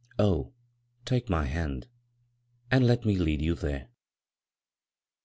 Oh, take my hand and let me lead you there.